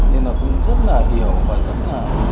nên là cũng rất là hiểu và rất là